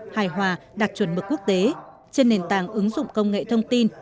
hài hòa đạt chuẩn mực quốc tế trên nền tảng ứng dụng công nghệ thông tin